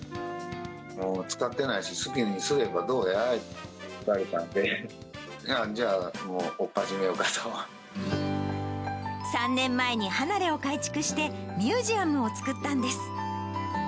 もう使ってないし、好きにすればどうやって言われたんで、じゃあ、３年前に離れを改築してミュージアムを作ったんです。